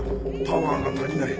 パワーが足りない！